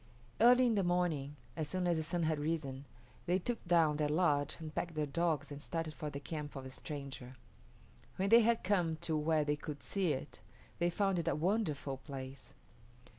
Early in the morning, as soon as the sun had risen, they took down their lodge and packed their dogs and started for the camp of the stranger. When they had come to where they could see it, they found it a wonderful place.